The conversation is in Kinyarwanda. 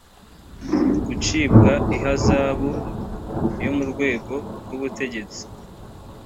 gucibwa ihazabu yo mu rwego rw ubutegetsi